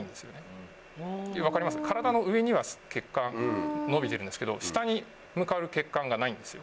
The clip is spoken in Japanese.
体の上には血管のびてるんですけど下に向かう血管がないんですよ。